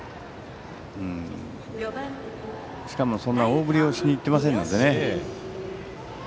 しかも大振りをしにいっていませんね。